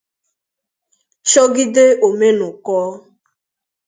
chọgide 'Omenụkọ'